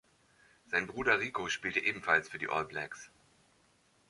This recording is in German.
Sein Bruder Rico spielte ebenfalls für die All Blacks.